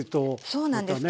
そうなんです。